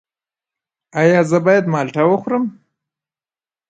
ایا زه باید مالټه وخورم؟